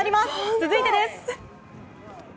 続いてです。